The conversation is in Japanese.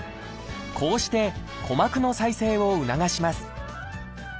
こうして鼓膜の再生を促します。